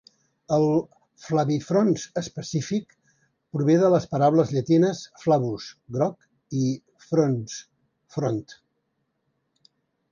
El "flavifrons" específic prové de les paraules llatines "flavus", "groc" i "frons", "front".